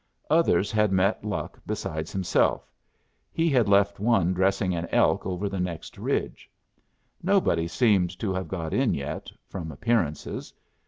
Others had met luck besides himself; he had left one dressing an elk over the next ridge. Nobody seemed to have got in yet, from appearances.